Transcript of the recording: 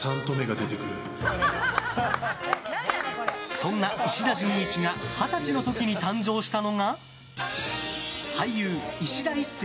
そんな石田純一が二十歳の時に誕生したのは俳優・いしだ壱成。